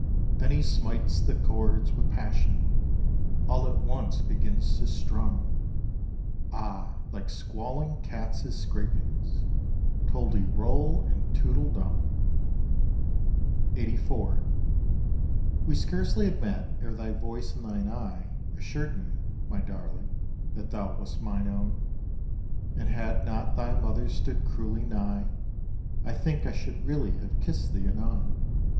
Then he smites the chords with passion, All at once begins to strum. Ah, like squalling cats his scrapings, Toll de roll and toodle dum! LXXXIV. We scarcely had met ere thy voice and thine eye Assured me, my darling, that thou wast mine own; And had not thy mother stood cruelly nigh, I think I should really have kissed thee anon.